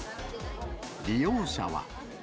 利用者は。